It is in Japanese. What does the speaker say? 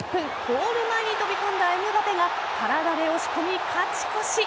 ゴール前に飛び込んだエムバペが体で押し込み、勝ち越し。